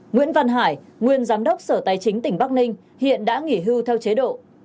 nguyễn văn hải nguyên giám đốc sở tài chính tỉnh bắc ninh hiện đã nghỉ hưu theo chế độ